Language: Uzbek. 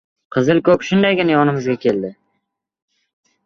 Qizilko‘k shundaygina yonimizga keldi.